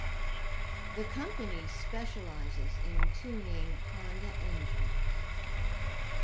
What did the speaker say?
The company specializes in tuning Honda engines.